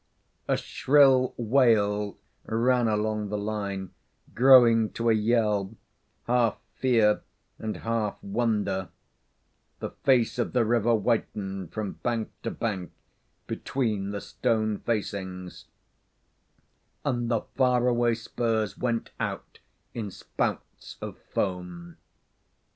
A shrill wail ran along the line, growing to a yell, half fear and half wonder: the face of the river whitened from bank to hank between the stone facings, and the far away spurs went out in spouts of foam.